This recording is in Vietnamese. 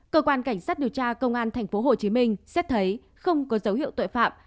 cơ quan cảnh sát điều tra công an tp hcm xét thấy không có dấu hiệu tội phạm